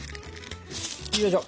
よいしょ。